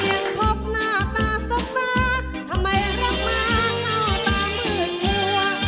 เพียงพบหน้าตาสัตว์ตาทำไมเริ่มมากเข้าตามืดหัว